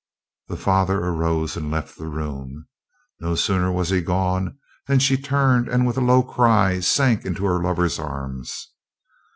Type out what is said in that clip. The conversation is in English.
The father arose and left the room. No sooner was he gone than she turned, and with a low cry sank into her lover's arms.